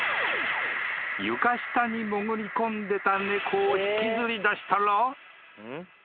［床下に潜り込んでた猫を引きずりだしたら］